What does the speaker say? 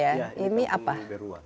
iya ini kampung berua